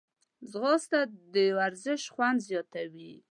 ځغاسته د ورزش خوند زیاتوي